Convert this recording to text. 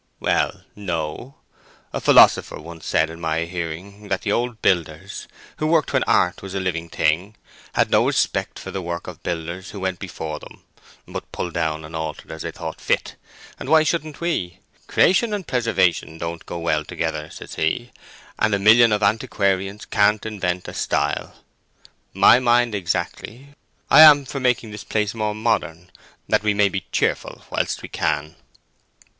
"Well, no. A philosopher once said in my hearing that the old builders, who worked when art was a living thing, had no respect for the work of builders who went before them, but pulled down and altered as they thought fit; and why shouldn't we? 'Creation and preservation don't do well together,' says he, 'and a million of antiquarians can't invent a style.' My mind exactly. I am for making this place more modern, that we may be cheerful whilst we can."